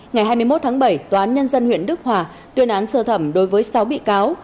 ngày hai mươi một tháng bảy tòa án nhân dân huyện đức hòa tuyên án sơ thẩm đối với sáu bị cáo